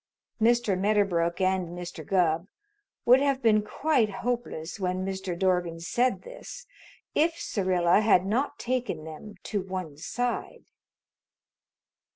Mr. Medderbrook and Mr. Gubb would have been quite hopeless when Mr. Dorgan said this if Syrilla had not taken them to one side.